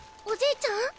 おじいちゃん！？